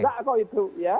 enggak kok itu